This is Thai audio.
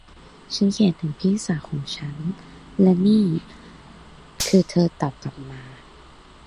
ฉันเขียนถึงพี่สาวของฉัน และนี่คือที่เธอตอบกลับมา